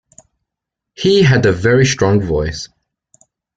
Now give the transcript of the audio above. He had a very strong voice.